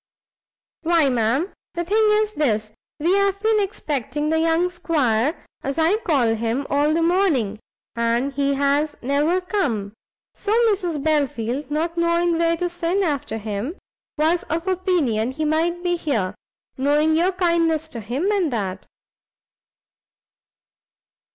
"Why, ma'am, the thing is this; we have been expecting the young 'Squire, as I call him, all the morning, and he has never come; so Mrs Belfield, not knowing where to send after him, was of opinion he might be here, knowing your kindness to him, and that."